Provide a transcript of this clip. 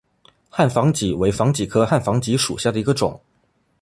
汉防己为防己科汉防己属下的一个种。